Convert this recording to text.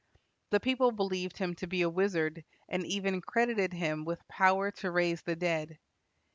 The people believed him to be a wizard, and even credited him with power to raise the dead.